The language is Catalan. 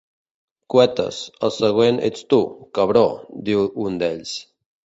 “Cuetes”, el següent ets tu, cabró, diu un d’ells.